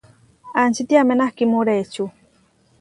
Ačitiamé nakhimú reʼečú?